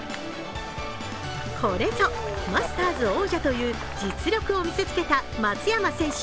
これぞマスターズ王者という実力を見せつけた松山選手。